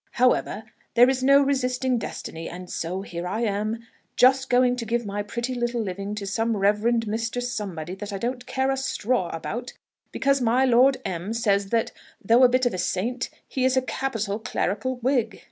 However, there is no resisting destiny; and so here I am, just going to give my pretty little living to some Reverend Mr. Somebody that I don't care a straw about, because my Lord M says, that though a bit of a saint, he is a capital clerical Whig.